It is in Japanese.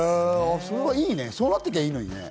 そうなってきゃいいのにね。